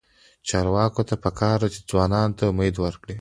چارواکو ته پکار ده چې، ځوانانو ته امید ورکړي.